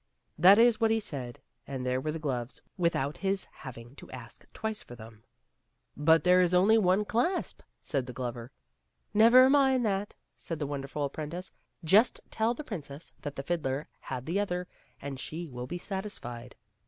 That is what he said, and there were the gloves without his having to ask twice for them. " But there is only one clasp,'* said the glover. "Never mind that," said the wonderful apprentice; "just tell the prin cess that the fiddler had the other, and she will be satisfied."